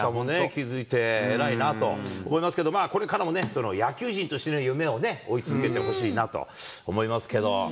気付いて、偉いなと思いますけど、まあ、これからもね、野球人としての夢をね、追い続けてほしいなと思いますけど。